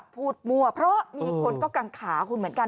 มั่วเพราะมีคนก็กังขาคุณเหมือนกัน